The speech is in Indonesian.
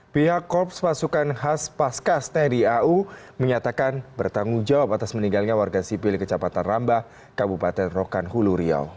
pihak korps pasukan khas paskas tni au menyatakan bertanggung jawab atas meninggalnya warga sipil kecapatan rambah kabupaten rokan hulu riau